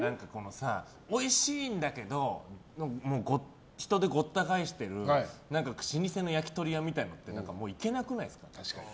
おいしいんだけど人でごった返してる老舗の焼き鳥屋みたいなのってもう行けなくないですか。